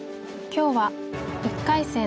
今日は１回戦